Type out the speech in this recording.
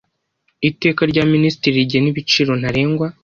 Iteka rya Minisitiri rigena ibiciro ntarengwa